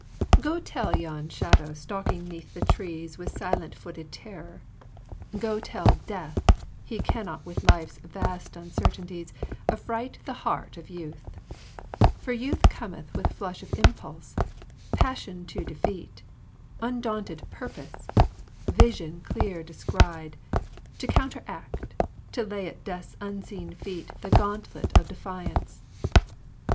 Go tell yon shadow stalking 'neath the trees With silent footed terror, go tell Death He cannot with Life's vast uncertainties Affright the heart of Youth ! For Youth cometh With flush of impulse, passion to defeat, Undaunted purpose, vision clear descried, To counteract, lay at Death's unseen feet The gauntlet of defiance.